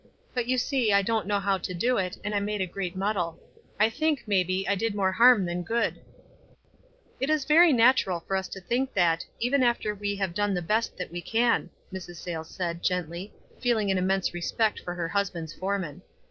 "But you see I don't know how to do it, and I made a great muddle. I think, maybe, I did more harm than good." WISE AND OTHERWISE. 105 "It is very natural for us to think that, even after we have done the best that we can," Mrs. Sayles said, gently, feeling an immense respect for her husband's foreman.